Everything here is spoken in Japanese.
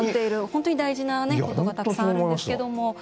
本当に大事なことがたくさんあるんですけども。